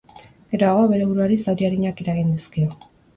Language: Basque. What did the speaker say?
Geroago, bere buruari zauri arinak eragin dizkio.